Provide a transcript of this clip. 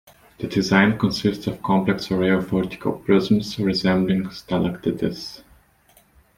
The design consists of a complex array of vertical prisms resembling stalactites.